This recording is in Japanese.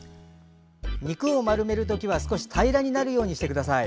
肉を丸める時は少し平らになるようにしてください。